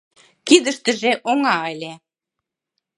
Кидыштыже оҥа ыле.